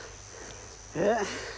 えっ？